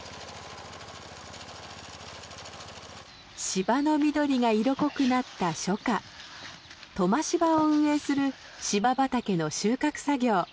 芝の緑が色濃くなった初夏トマシバを運営する芝畑の収穫作業。